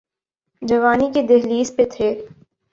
جوانی کی دہلیز پہ تھے۔